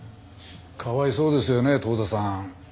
かわいそうですよね遠田さん。